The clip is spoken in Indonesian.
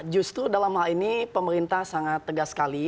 justru dalam hal ini pemerintah sangat tegas sekali